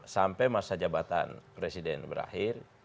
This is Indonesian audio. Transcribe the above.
sampai masa jabatan presiden berakhir